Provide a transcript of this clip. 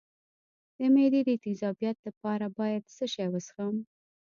د معدې د تیزابیت لپاره باید څه شی وڅښم؟